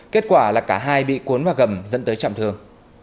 kết quả là cả hai bị cuốn vào gầm dẫn tới trọng thương